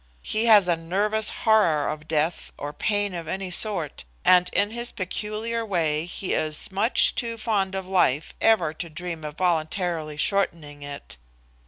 He has a nervous horror of death or pain of any sort, and in his peculiar way he is much too fond of life ever to dream of voluntarily shortening it.